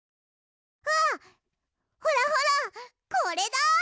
あほらほらこれだ！